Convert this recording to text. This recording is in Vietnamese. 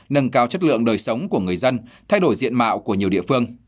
nâng cao chất lượng đời sống của người dân thay đổi diện mạo của nhiều địa phương